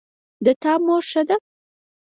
د تا مور ښه ده